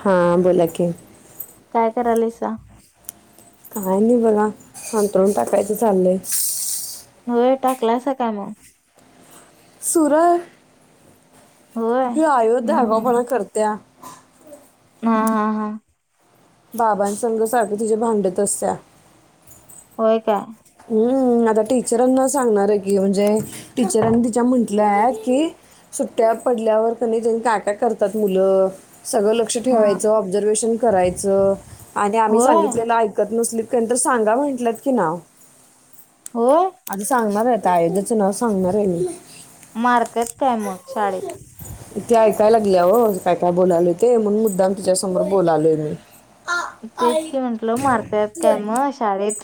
हा बोला की करायलसा [unintelligible] अंथरुण टाकायचं चाललंय हो टाकलसा मग सुरू आहे. होय हम्म हम्म [unintelligible] करत्या हा हा हा. बाबा संघसारख्या तिझ भांडत असत्या होय काय हम्म आता टीचरांना सांगणार आहे की म्हणजे टीचरांनी तिच्या म्हंटल्याय की सुट्ट्या पडल्यावर का नाही त्यांनी काय काय करतात मुलं सगळं लक्ष हा ठेवायचं, ऑब्झर्वेशन करायचं आणि आम्ही होय सांगितलेलं ऐकत नसली तुम्ही सांगा म्हंटलत की ना होय आता सांगणार आहे आता अयोध्याचं नाव सांगणार आहे मी मारतात काय मग शाळेत? इथे ऐकायला लागल्या हो काय काय बोयल ते म्हण मुद्दाम तिच्यासमोर बोलालोय मी तेच की म्हंटलं मारतात काय मग शाळेत?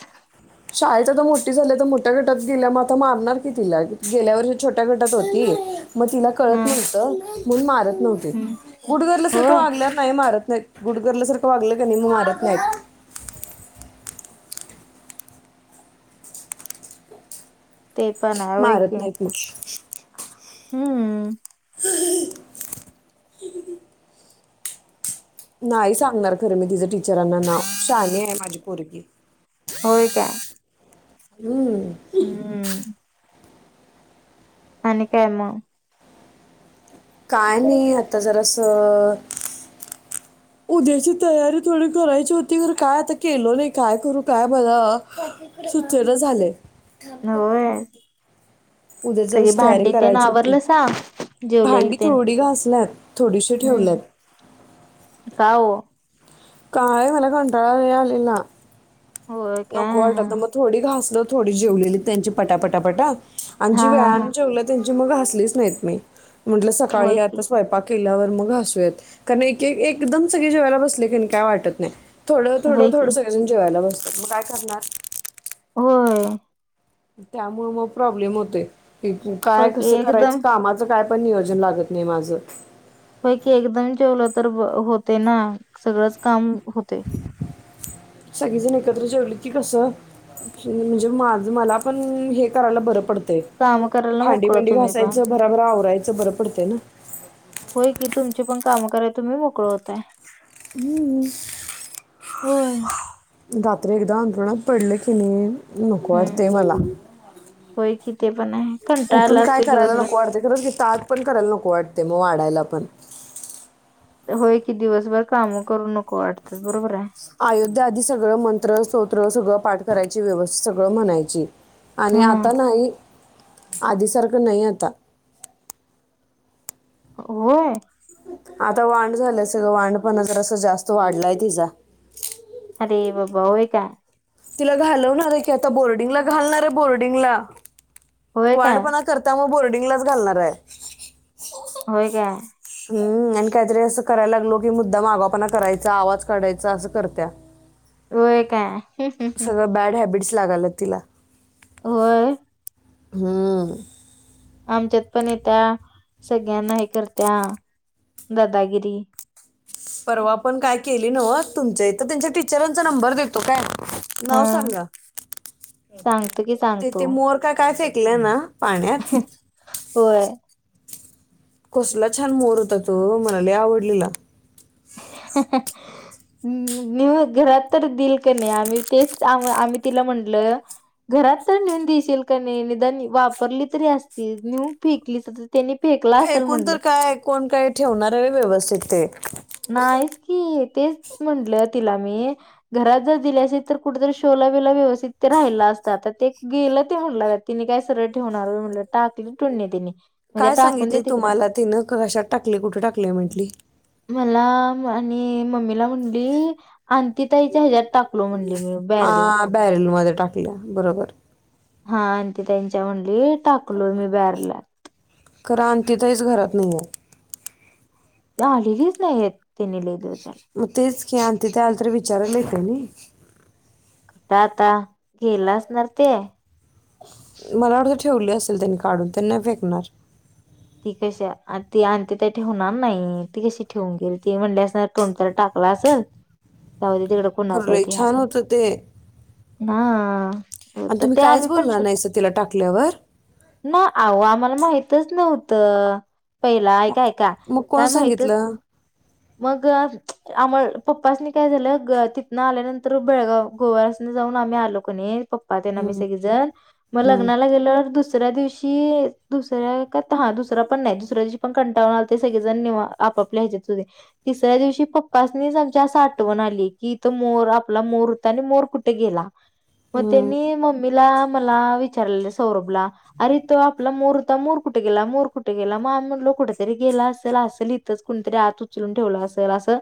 शाळेत आता मोठी झाली तर मोठ्या गटात गेल्या म आता मारणार की तिला गेल्या वर्षी छोट्या गटात होती मग तिला कळत हा नव्हतं म्हणून मारत नव्हते हम्म गुडगरलं सारखं होय वागल्यावर नाही मारत नाही गुडगरल सारखं वागलं का नाही मारत नाहीत ते पण आहे मारत की नाहीत मग हम्म. [inaudible] नाही सांगणार खरं मी तिचं टीचरांना नाव शानि आहे माझी पोरग होय का हम्म. हम्म. आणि काय म काय नाही आता जरास उद्याची तयारी थोडी करायची होती तर काय आता केल नाही काय करू काय बघा सुचना झालय होय उद्या सगळी जराशी तयारी भांडी ते ना करायची होती आवरलं सा भांडी थोडी घासल्यात थोडीशी ठेवल्यात हम्म का ओ? काय मला कंटाळा आलेला होय काय नको वाटलं हा होत, मग थोडी घासल थोडी जेवलेली त्यांची पटापटापटा आणि हा जी हा वेळाने हा जेवलं त्यांची मग घसलीच नाहीत नाही मी, म्हटलं सकाळी होय की आता स्वयंपाक केल्यावर मग घासूयात कारण एक एकदम सगळी जेवायला बसले की नाय काय वाटत नाही थोडं थोडं होय थोडं की सगळेजण जेवायला बसतात मग काय करणार होय. त्यामुळे मग प्रॉब्लेम होतेय कि काय पैकी कसं करायचं एकदम कामाचं काय पण नियोजन लागत नाही माझं पैकी एकदम जेवलं तर होते ना सगळंच काम होते सगळीजण एकत्र जवली की कसं म्हणजे माझ मला पण हे करायला बरं पडतं काम करायला भांडी मोकळ भिंडी तुम्ही पण घासायचं बराबर आवरायचं बरं पडतं ना होय की तुमचे पण काम कराय तुम्ही मोकळ होताय ह होय रात्री एकदा अंतरुणात पडले की नाही नको हम्म वाटते मला होय कि ते पण आहे उठून कंटाळला काय असते करायला दिवसभर नको वाटते ख कि तात पण करायला नको वाटते मग वाढायला पण होय की दिवसभर काम करू नको वाटतात बरोबर आहे अयोध्या आधी सगळं मंत्र स्तोत्र सगळं पाठ करायची व्यवस्थित सगळं म्हणायची आणि हा आता नाही आधीसारखं नाही आता होय आता वांढ झालं अस ग वांढ पण तर असं जास्त वाढलाय तिचा अरे बाबा होय का तिला घालवणार आहे की आता बोर्डिंगला घालणार आहे बोर्डिंगला होय काय क्ांडपणा करता मग बोर्डिंगलाच घालणार आहे होय का हम्म आणि काहीतरी असं करायला लागलो की मुद्दा मागापणा करायचा आवाज काढायचा असं करत्या होय काय सगळं बॅड हॅबिट्स लागाल तिला होय हम आमच्यात पणयेत्या, सगळ्यांना हेकरत्या दादागिरी. परवा पण काय केली नव्ह, तुमच्या इथ त्यांच्या टीचरांचा नंबर देतो काय. नाव हा सांगा? सांगतो की तिथे सांगतो मोर का काय फेकलेय ना! पाण्यात होय! कसला छान मोर होता तो! म्हणाले आवडलेला. [unintelligible] नि मग घरात तर दिल का नाही? आम्ही तेच आम्हा आम्ही तिला म्हटलं! घरात तर नेऊन दिशीलकानयी निदान वापरली तरी असती नेऊन फेकलीस त्यांनी- फेकला असेल एकूण तर म्हणलं काय, कोण काय ठेवणार आहे व्यवस्थित ते? नाहीचकी तेच म्हटलं तिला- नी घरात जर दिली असती तर कुठतर शोला-बीला व्यवस्थित ते राहील असत ते गेलते- फाडला तिने काय सरळ ठेवणार होय म्हणंल टाकली टोळ्यांनी. काय सांगितले तुम्हाला तिन, कहशात टाकले कुठे टाकले म्हंटली. मला आणि मम्मीला म्हंटली आन्तीताईच्या हेजत टाकलो म्हणं- हां बॅरेल मध्ये टाकलय, बरोबर! हां आणि ते त्यांच्या म्हंटली, टाकलो मी ब्यारलात. खर आकींतीईच घरात नायीय. ये आलेलीच नाहीत, तेनी लयी दिवस- झालं मग तेच की आणतीताई आली तर विचारायला येत नाही. कुठ आता, गेलाअसणार ते! मला वाटतय ठेवली असेल त्यांनी काढून ते नाही फेकणार. ती कशी आ ती आनिताताई ठेवणार नाही ती कशी ठेवून घील, ती म्हणंली असणार कोणतरी टाक- ल असेल राहुदे तिकड खरं कुणाचहाय लय ते अस छान म्ह- होतं ते हां- त आणि तर तुम्ही ते कायच आम्ही पण बोलला शो- नाही सर तिला टाकल्यावर ना, आहो आम्हाला माहि- हितच नव्हत पहिला मग आयका -आयका मग कोण काय माहितच. सांगितलं मग आम पप्पासनी काय झालं, तिथनं आल्यानंतर बेळगाव गोव्यासन- तिथ जाऊन आम्हीआलो किनी, पप्पातेन आम्ही हम्म, सगळीजण म हम्म, लग्नाला गेल्यावर दुस सऱ्या दिवशी दुसऱ्या का हां दुसरा पण नाही दुसऱ्या दिवशी पण कंटाळून आलते सगळेजण निवा पल्या-आपल्या हेज्यात सुदे तिसऱ्या दिवशी पप्पासनींच आमच्या अस आठवण आली की तो मोर आपला मोर होता आणि मोर कुठे गेला, मग हम्म, त्यांनी मम्मीला मला विचारेले सौरभला अरे त्यो आपला मोर होता, मोर कुठे गेला? मोर कुठे गेला? मग आम्ही म्हंटलो कुठेतरी गेला असेल, असेल इथच कुणीतरी आत उचलून ठेवला असेल असं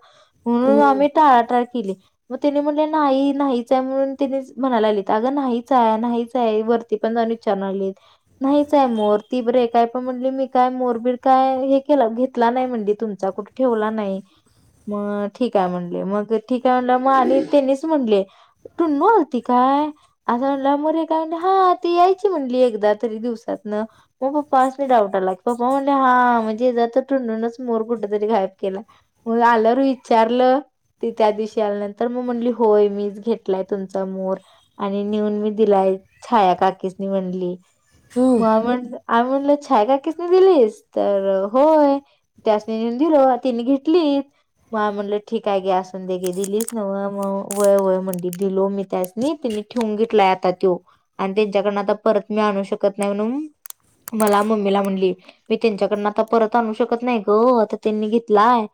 म्हणून हम्म, आम्ही टाळा- टाळ केली. मग तेन्ही म्हणले नाही नाहीच आहे म्हणून तेन्ही म्हणाय लागलीत अगं नाहीच हाय, नाहीच हाय वरती मपण जावून विचारून आलीत. नाहीच हाय मोर ती बरे काय पण म्हणंली, मी काय मोर-बीर काय हे केल. घेतला नाही म्हणली, तुमचा कुठ ठेवला नाही. मग ठीकहाय म्हटले मग ठीकहाय म्हणलं मग आणि त्यांनीच म्हटले. टुन्नू आलती काय? असं म्हंटल्या मग रेखा म्हंटली हां ती यायची म्हणली एकदा तरी दिवसात. न मग पप्पांसनी डाऊट आला की पप्पा म्हणटले हां म्हणजे याचा अर्थ टुन्नूनच मोर कुठे तरी गाय त्याला, व आल्यावर विचारल. ती त्या दिवशी आल्यानंतर मग म्हणली, होय मीच घेतलाय तुमचा मोर आणि नेऊन मी दिलाय. छाया काकीसनीं म्हणली हम्म. मा म्हणल आम्ही म्हणलं, छायकाकीसनीं दिलीस तर होय त्यासनी नेऊन दिलो. त्यानीं घेतलीत. व आम्ही म्हणलं ठीक आहे गे असून दे गे दिलीस नव्ह म-वय-वय म्हणंली दिलो मी त्यासनी ति ते ठेवून घेतलाय आता त्यो आणि त्यांच्याकडन आता परत मी आणू शकत नाही म्हणून मला मम्मीला म्हणंली मी त्यांच्याकडं आता परत आणू शकत नाही गं आता त्यांनी घेत. लाय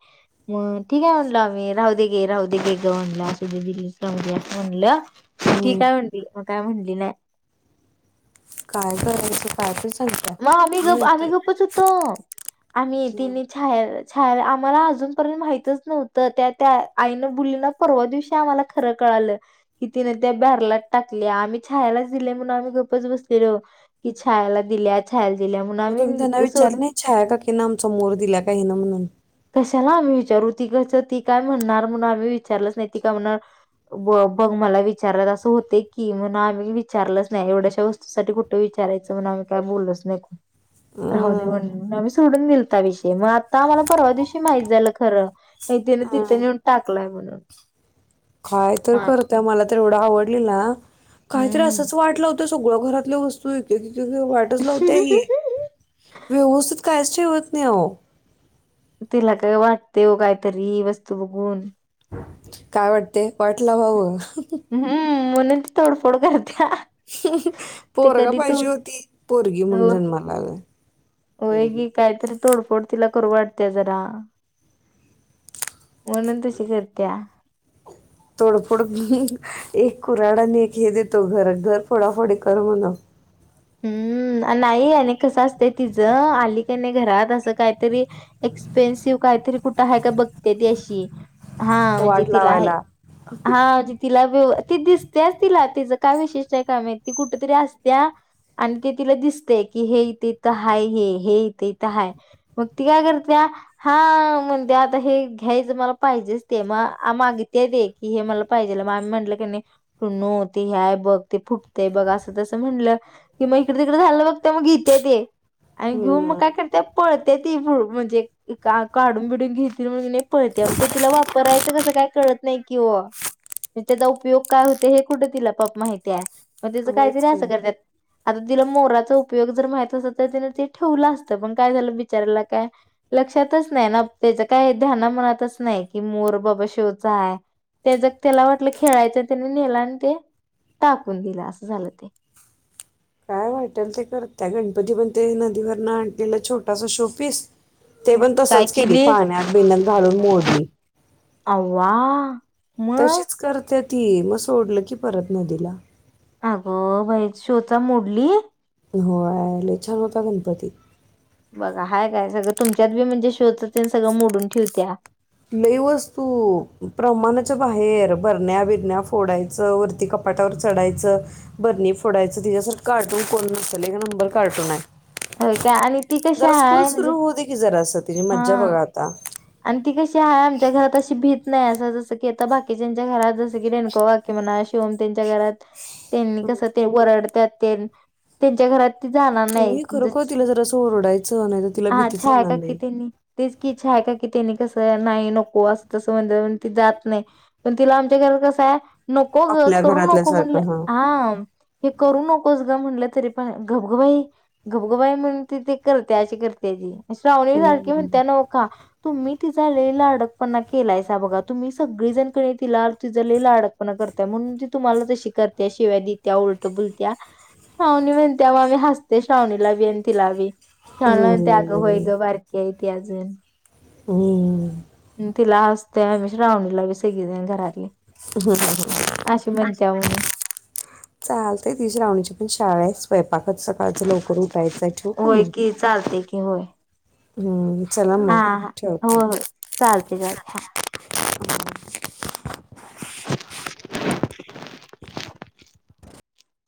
म ठीक आहे म्हणलं आम्ही राहू दे गे राहू दे गे ग म्हणलं दिल्ली म्हणलं. की हम्म काय म्हणली मग काय म्हणली नाही. काय कयचं कायतच. मग आम्ही गप आम्ही गपच होतो आम्ही हम्म तिने छाया. छ आम्हाला अजूनर्यंत माहितच नव्हतं त्या त्या आईनं बुलीना परवा दिवशी आम्हाला खरं कळ. क ति त्या बला टाक आम्ही छलाच दिले म्हणून आम्ही गपच बसले. छाला दिल्या. छायाला दिल्या म्हणून मग तुम्ही त्यांना आम्ही विचार सोड नाही छा आहे का की ना आमचा मोर दिला का ना म्हणून कशाला आम्ही विचारू ती कस ती काय म्हणणार म्हण आम्ही विचारलंच नाही ती काय म्हणणार. ब बघ मला विचारला असं होते की म्हण आम्ही विचारलंच नाही एवढ्याशा वस्तूसाठी कुठे विचार. विचारायचं म्हग आम्ही काय बोललच नाही. राह दे अं म्हणून आम्ही सोडून दिलता विषय मग आता मला परवा दिवशी माहित झालं खरं नाही तिन तिथे अं नेऊन टाकलाय म्हणून काय तर मा करतय मला तर एवढं आवडलेल काहीतरी हम्म असंच वाटलं होत. सगळ घरातल्या वस्तू वाटच लावते व्यवस्थित काची होत नाही हो. तिला का वाटते हो कायतरी वस्तू बघून. काय वाटते वाटलं भाऊ मन ते तोडफोड कर. पोरगा तोड पाहिजे होती पोरगी म्हण जन्माला आ. होयगी काहीतरी तोडफोड तिला करू वाटते जरा म्हणून तशी करत्या तोडफोड. एक कुराडाने एक हे देतो घर घर फोडाफोडी कर म्हणा. हम्म. नाही कस असत ति आली का नाही घरात असं काहीतरी एक्सपेन्सिव काहीतरी कुठं आहे का बघते त अशी. हा म्हणजे वाट तिला हाय लावायला हा म्हजे तिला हो ती दिसतेच तिला तिचं काय विशिष्ट आहे काय माहित ती कुठ तरी असत्या आणि ते तिला दिसतयं की हे इथे इथं हाय हे हे इथे इथं हाय मग ती काय करतेया हा म्हणते आता हे घ्यायचं मला पाहिजेच ते मग मागित दे ते की हे मला पाहिजेल म आम्ही म्हटलं की नायं टुनों ते ह्याय बघ ते फुटतेय बघ असं तसं म्हणलं की म इकडे तिकडें झालं बघते मग घेते ते आणि घेऊन मग हम्म काय करते पळते ती पु म्हणजे का काढून बिडून घेततील म्हणुन ये पळते ते तिला वापरायचं कसं काय कळत नाही की ओ नी त्याचा उपयोग काय होतयं हे कुठं तिला पप माहितीये. म त्याचं होयच काहीतरी की असं करत्यात आता तिला मोराचा उपयोग जर माहित असता तर तिने ते ठेवलं असतं पण काय झालं बिचाऱ्याला काय लक्षातच नायं ना त्याच कायं ध्याना मनातच नायं की मोर बाबा शोचा हाय. त्याज त्याला वाटलं खेळायचं त्यानी नेला आणि ते टाकून दिला असं झालं ते काय वाटेल ते करत्या गणपती पण ते नदीवरन आणलेलं छोटासा शो पीस ते पण तसच केली पाण्यात बिण्यात घालून मोडली. अवा तशीच करते ती मग सोडलं की परत नदीला अगं बाई शो चा मोडली. होय लयं छान होता गणपती. बघा हाय काय सगळं तुमच्यात बी म्हणजे शो चं तेण सगळं मोडून ठेवतीया. लय वस्तू प्रमाणाच्या बाहेर भरण्या बिरण्या फोडायचं वरती कप पाटावर चढायचं बरणी फोडायचं तिच्यासारखं कारटून कोण नसल एक नंबर कारटून हाय. होय का आणि ती कशी जरा स्कूल आहे म्हणजे सुरू होवू दे की जरास तिजी हा मज्जा बघा आता त्या घरात अशी भी त नाही असं जसं की आता बाकीच्या घरात जसं की रेणको काकी म्हणा शिवम त्यांच्या घरात त्यांनी हम्म कस ते वरडत्यात तेण त्यांच्या घरात जाणार नाही तुम्ही ज खरोखर तिला जरासं ओरडायचं नाही तर तिला हा भीतीच छाया राहणार काकी नाही. त्यांनी तेच की छाया काकी त्यांनी कस नाही नको अस तस म्हणल म्हणून ती जात नायं पण तिला आमच्या घरात कसं आहे. नको गं आपल्या करून नको म्हणलं घरातल्यासारखं हां. हा हे करू नकोस ग म्हणलं तरी पण गबागबाई गबगबाई म्हण त ते करते अशी करते ती श्रावणी सारखी हं. म्हणत्या न्हवं का तुम्ही तिचा लई लाडपणा केलायसा बघा तुम्ही सगळी जण कनय तिला तिंज लयं लाडकंपणा करताय म्हणून ती तुम्हाला ती कशी करते शिव्या देत्या उलट बोलत्या. श्रावणी म्हणते म आम्ही हसते श्रावणीला बी आणि तिला बी श्रावणीला म्हणते अग व्हय हं. की हाय ती अजून हम्म तिला हसतेयं श्रावणीला बी सगलीजन घरातली असं म्हणत्या म्हणून चालते ती श्रावणीची पण शाळा यं स्वय पाकच सकाळच लवकर उठायचंय ठेवू का होय मंग की चालते की होय हम्म हा हा हो होय चालते चालते हा